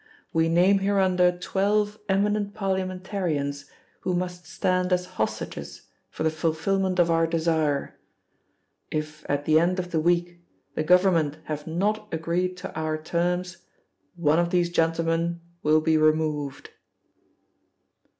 We name hereunder twelve eminent Parliamentarians, who must stand as hostages for the fulfilment of Our desire. If, at the end of the week, the Government have not agreed to Our terms, one of these gentlemen will be removed.'